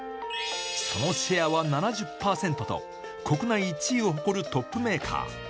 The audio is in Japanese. そのシェアは７０％と、国内１位を誇るトップメーカー。